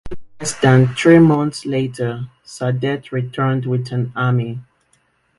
Less than three months later Saadet returned with an army.